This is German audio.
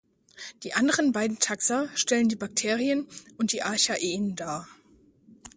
Die anderen beiden Taxa stellen die Bakterien und die Archaeen dar.